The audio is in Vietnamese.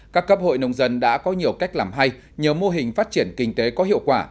các cấp hội nông dân đã có nhiều cách làm hay nhờ mô hình phát triển kinh tế có hiệu quả